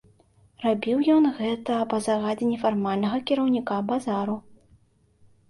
Рабіў ён гэта па загадзе нефармальнага кіраўніка базару.